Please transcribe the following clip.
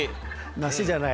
梨じゃない。